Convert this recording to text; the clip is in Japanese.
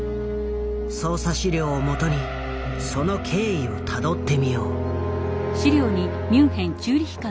捜査資料をもとにその経緯をたどってみよう。